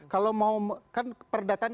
kalau mau kan keperdatan